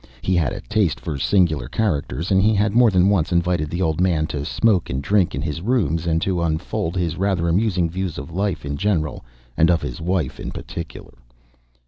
He had a taste for singular characters, and he had more than once invited the old man to smoke and drink in his rooms, and to unfold his rather amusing views of life in general and of his wife in particular.